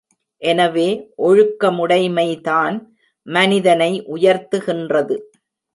எனவே ஒழுக்கமுடைமைதான் மனிதனை உயர்த்துகின்றது.